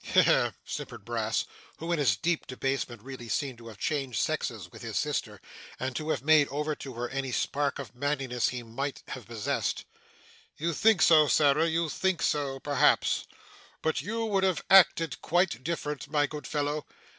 'He he!' simpered Brass, who, in his deep debasement, really seemed to have changed sexes with his sister, and to have made over to her any spark of manliness he might have possessed. 'You think so, Sarah, you think so perhaps; but you would have acted quite different, my good fellow.